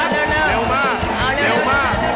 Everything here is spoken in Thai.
เร็วเร็วเร็วเร็ว